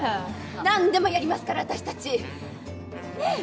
何でもやりますから私たち。ねぇ！